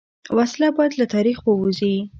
وسله باید له تاریخ ووځي